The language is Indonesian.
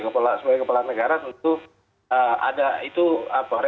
sebagai kepala negara tentu ada itu apa